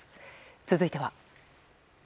続いては。